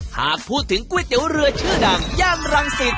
หากพูดถึงก๋วยเตี๋ยวเรือชื่อดังย่านรังสิต